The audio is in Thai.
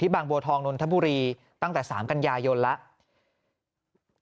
บางบัวทองนนทบุรีตั้งแต่๓กันยายนแล้ว